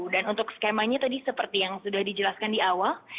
dan untuk skemanya tadi seperti yang sudah dijelaskan di awal